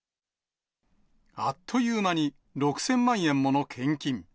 あっという間に、６０００万円もの献金。